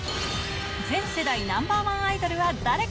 全世代ナンバー１アイドルは誰か。